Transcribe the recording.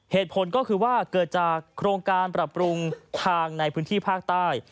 เหตุผลก็คือว่าเกิดจากโครงการปรับปรุงทางในพื้นที่ภาคใต้